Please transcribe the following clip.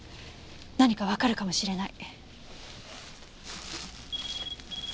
何かわかるかもしれない。